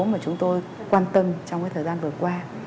mà chúng tôi quan tâm trong cái thời gian vừa qua